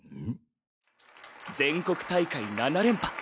全国大会７連覇。